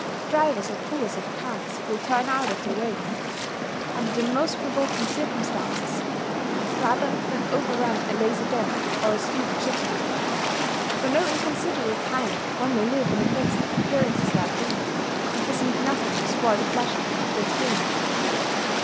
Drivers or pullers of carts will turn out of their way, under the most provoking circumstances, rather than overrun a lazy dog or a stupid chicken .... For no inconsiderable time one may live in the midst of appearances like these, and perceive nothing to spoil the pleasure of the experience.